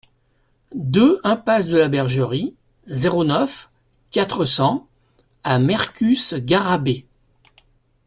deux impasse de la Bergerie, zéro neuf, quatre cents à Mercus-Garrabet